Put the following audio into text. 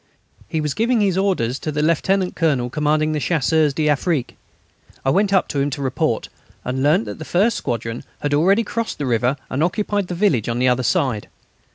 He was giving his orders to the Lieutenant Colonel commanding the Chasseurs d'Afrique. I went up to him to report, and learnt that the first squadron had already crossed the river and occupied the village on the other side.